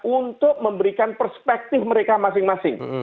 untuk memberikan perspektif mereka masing masing